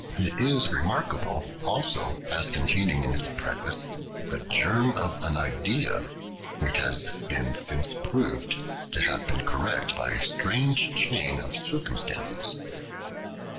It is remarkable, also, as containing in its preface the germ of an idea, which has been since proved to have been correct by a strange chain of circumstances.